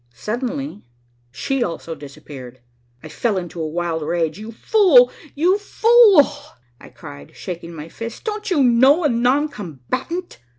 Suddenly, she also disappeared, and I fell into a wild rage. "You fool, you fool," I cried, shaking my fists. "Don't you know a non combatant?"